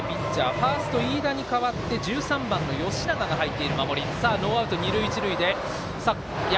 ファースト飯田に代わって１３番の吉永が入っている守り。